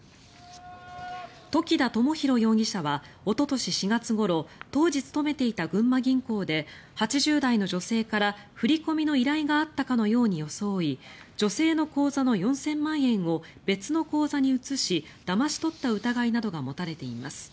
時田知寛容疑者はおととし４月ごろ当時勤めていた群馬銀行で８０代の女性から振り込みの依頼があったかのように装い女性の口座の４０００万円を別の口座に移しだまし取った疑いなどが持たれています。